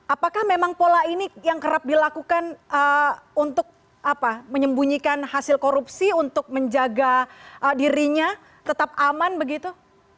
apakah memang pola ini yang kerap dilakukan untuk menyembunyikan hasil korupsi untuk menjaga dirinya tetap aman begitu